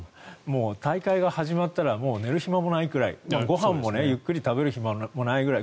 大会が始まったら寝る暇もないくらいご飯もゆっくり食べる暇もないぐらい。